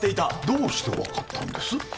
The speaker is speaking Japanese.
どうして分かったんです？